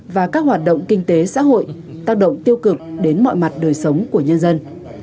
và các hoạt động kinh tế xã hội tác động tiêu cực đến mọi mặt đời sống của nhân dân